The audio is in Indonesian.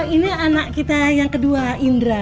ini anak kita yang kedua indra